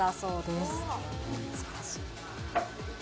すばらしい。